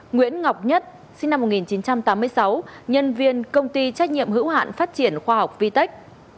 nguyễn ngọc nhất sinh năm một nghìn chín trăm tám mươi sáu nhân viên công ty trách nhiệm hữu hạn phát triển khoa học vitech